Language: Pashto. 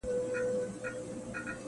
• ټولو وویل دا تشي افسانې دي -